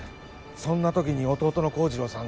そんなときに弟の幸次郎さん